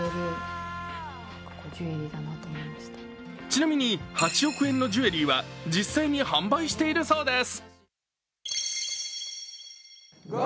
ちなみに８億円のジュエリーは実際に販売しているそうです。